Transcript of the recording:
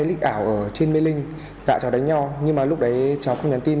có hai lịch ảo ở trên mê linh gã cháu đánh nhau nhưng mà lúc đấy cháu không nhắn tin